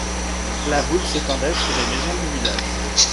La voûte s'étendait sous les maisons du village.